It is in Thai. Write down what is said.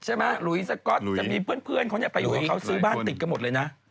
หลุยสก๊อตจะมีเพื่อนเขาไปอยู่กับเขาซื้อบ้านติดกันหมดเลยนะ